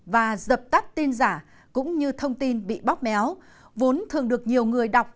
và dập tắt tin giả cũng như thông tin bị bóp méo vốn thường được nhiều người đọc